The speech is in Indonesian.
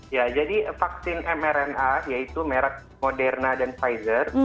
ya jadi vaksin mrna yaitu merek moderna dan pfizer